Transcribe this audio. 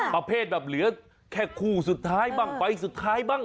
ประเภทแบบเหลือแค่คู่สุดท้ายบ้างไฟล์สุดท้ายบ้าง